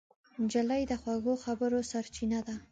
نجلۍ د خوږو خبرو سرچینه ده.